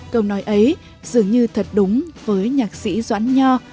câu nói ấy dường như thật đúng với nhạc sĩ doãn nho